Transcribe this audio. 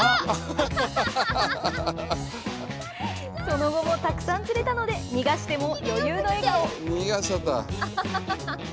その後もたくさん釣れたので逃がしても余裕の笑顔！